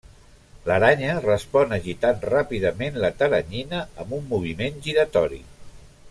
L'aranya respon agitant ràpidament la teranyina amb un moviment giratori.